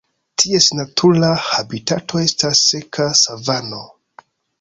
Ties natura habitato estas seka savano.